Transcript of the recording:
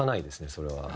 それは。